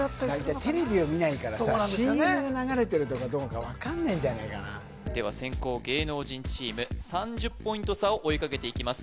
テレビを見ないからさＣＭが流れてるとかどうか分かんないんじゃないかなでは先攻芸能人チーム３０ポイント差を追いかけていきます